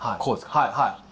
はいはい。